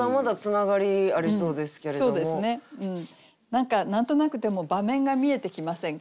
何か何となくでも場面が見えてきませんか？